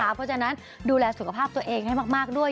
เพราะฉะนั้นดูแลสุขภาพตัวเองให้มากด้วย